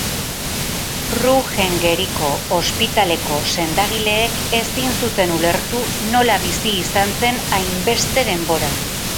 Ruhengeriko ospitaleko sendagileek ezin zuten ulertu nola bizi izan zen hainbeste denboran.